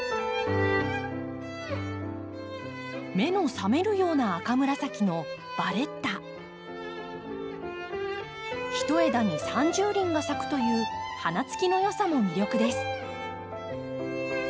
目の覚めるような赤紫のひと枝に３０輪が咲くという花つきの良さも魅力です。